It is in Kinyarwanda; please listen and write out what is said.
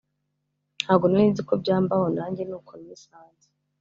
ntago narinziko byambaho nanjye nuko nisanze